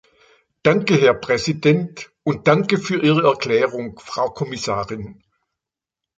Danke, Herr Präsident, und danke für Ihre Erklärung, Frau Kommissarin.